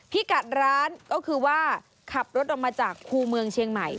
พี่กัดร้านก็คือว่าขับรถออกมาจากคู่เมืองเชียงใหม่